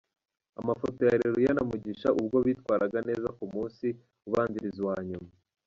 Amafoto ya Areruya na Mugisha ubwo bitwaraga neza ku munsi ubanziriza uwa nyuma.